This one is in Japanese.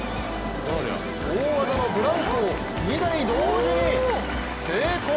大技のブランコを２台同時に成功！